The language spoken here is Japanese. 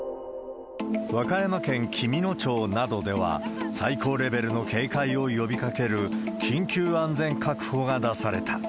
和歌山県紀美野町などでは、最高レベルの警戒を呼びかける緊急安全確保が出された。